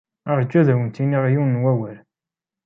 Ṛju ad awent-iniɣ yiwen n wawal.